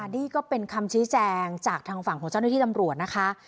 นี่ก็เป็นคำชี้แจงจากทางฝั่งของเจ้าหน้าที่ตำรวจนะคะ